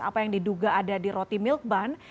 apa yang diduga ada di roti milk ban